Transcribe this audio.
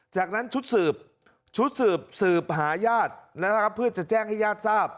จากนั้นชุดสืบชุดสืบสืบหาญาตินะครับเพื่อจะแจ้งให้ญาติทราบ